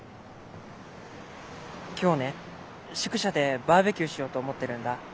今日ね宿舎でバーベキューしようと思ってるんだ。